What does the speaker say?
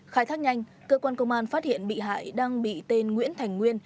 khai thác nhanh cơ quan công an phát hiện bị hại đang bị tên nguyễn thành nguyên